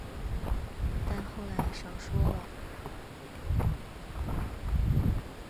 但后来少说了